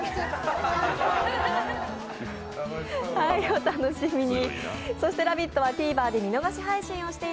お楽しみに。